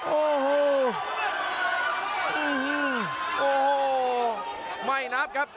โอ้โหโอ้โหไม่นับครับ